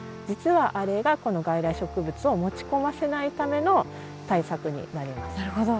実はあれがこの外来植物を持ち込ませないための対策になります。